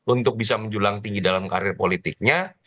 untuk bisa menjulang tinggi dalam karir politiknya